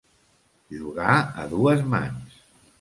Jugar a dues mans.